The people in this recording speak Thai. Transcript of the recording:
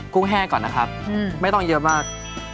ุ้งแห้งก่อนนะครับไม่ต้องเยอะมาก